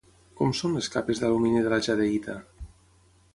Com són les capes d'alumini de la jadeïta?